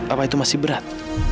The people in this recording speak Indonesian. apa itu masih berat